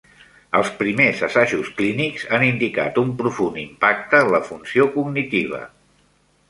Els primers assajos clínics han indicat un profund impacte en la funció cognitiva.